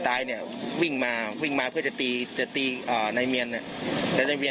ตายเนี่ยวิ่งมาวิ่งมาเพื่อจะตีจะตีอ่านายเมียนเนี่ยแต่ในเวีย